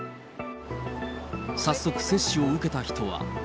早速、接種を受けた人は。